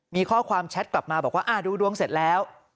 มีข้อความแชทกลับมาบอกว่าดูดวงเสร็จแล้ว